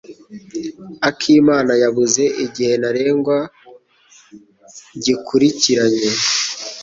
Akimana yabuze igihe ntarengwa gikurikiranye.